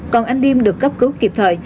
còn anh liêm được cấp cứu kịp thời